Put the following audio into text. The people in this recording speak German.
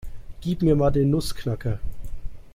Gib mir mal den Nussknacker.